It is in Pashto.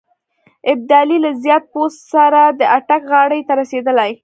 ابدالي له زیات پوځ سره د اټک غاړې ته رسېدلی.